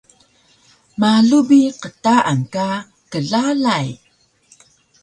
Malu bi qtaan ka klalay